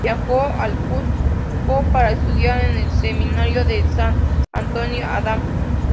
Viajó al Cuzco para estudiar en el Seminario de San Antonio Abad.